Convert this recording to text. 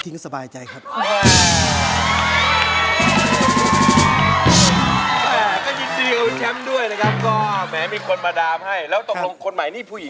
ต้อนเกาะไม่เกาะข้างด้วย